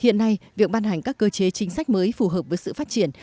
hiện nay việc ban hành các cơ chế chính sách mới phù hợp với sự phát triển